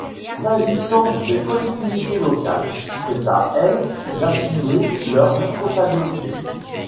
S’agissant des collectivités locales, c’est à elles d’assumer leurs responsabilités.